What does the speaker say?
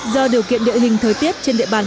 do điều kiện địa hình thời tiết trên địa bàn